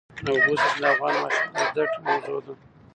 د اوبو سرچینې د افغان ماشومانو د زده کړې موضوع ده.